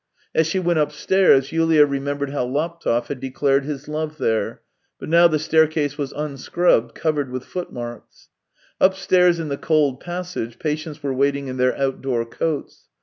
As she went upstairs Yulia remembered how Laptev had declared his love there, but now the staircase was unscrubbed, covered with foot marks. Upstairs in the cold passage patients were waiting in their outdoor coats.